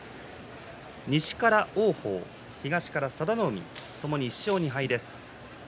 西から王鵬、東から佐田の海ともに１勝２敗です。